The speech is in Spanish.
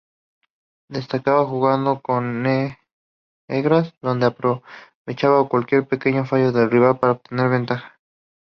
Destacaba jugando con negras, donde aprovechaba cualquier pequeño fallo del rival para obtener ventaja.